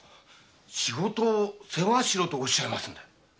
仕事を世話しろとおっしゃいますんで。